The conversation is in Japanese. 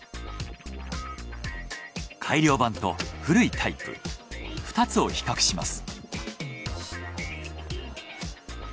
改良版と古いタイプ２つを比較します。